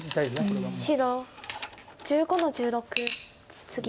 白１５の十六ツギ。